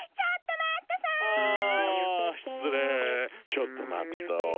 ちょっと待っと！